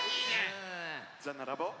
じゃならぼう。